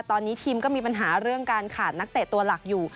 ตอนนี้ทีมก็มีปัญหาเรื่องการขาดนักเตะตัวหลักอยู่